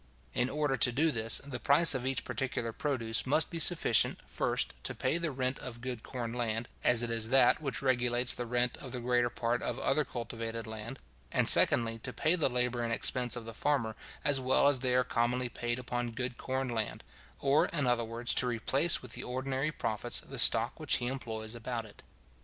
In order to do this, the price of each particular produce must be sufficient, first, to pay the rent of good corn land, as it is that which regulates the rent of the greater part of other cultivated land; and, secondly, to pay the labour and expense of the farmer, as well as they are commonly paid upon good corn land; or, in other words, to replace with the ordinary profits the stock which he employs about it.